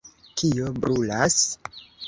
kio brulas?